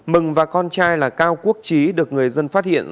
mừng và con trai là cao quốc trí được người dân phát hiện